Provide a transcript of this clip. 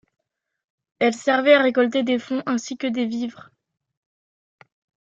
Elle servait à récolter des fonds ainsi que des vivres.